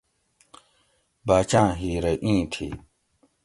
باچاۤں ھیرہ ایں تھی